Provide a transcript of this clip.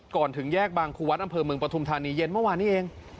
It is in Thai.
ก่อนถึงแยกบังคุวัฒน์อำเภอเมืองประทุมธานีเย็นเมื่อวานนี้เอง